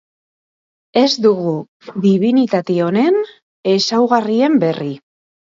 Ez dugu dibinitate honen ezaugarrien berri.